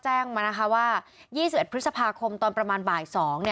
แจ้งมานะคะว่า๒๑พฤษภาคมตอนประมาณบ่าย๒